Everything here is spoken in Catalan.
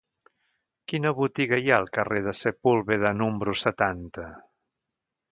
Quina botiga hi ha al carrer de Sepúlveda número setanta?